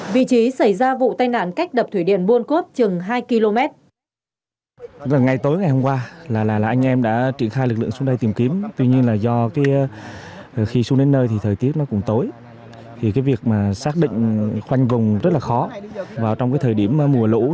vị trí xảy ra vụ tai nạn cách đập thủy điện buôn cốp chừng hai km